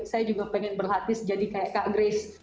saya juga pengen berlatih jadi kayak kak grace